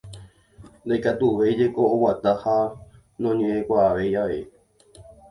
Ndaikatuvéi jeko oguata ha noñe'ẽkuaavéi avei.